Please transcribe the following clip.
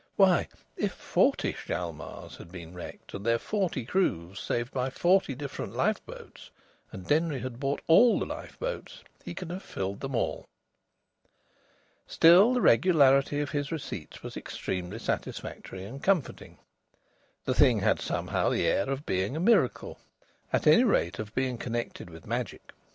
Why, if forty Hjalmars had been wrecked, and their forty crews saved by forty different lifeboats, and Denry had bought all the lifeboats, he could have filled them all! Still, the regularity of his receipts was extremely satisfactory and comforting. The thing had somehow the air of being a miracle; at any rate of being connected with magic.